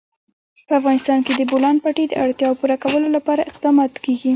په افغانستان کې د د بولان پټي د اړتیاوو پوره کولو لپاره اقدامات کېږي.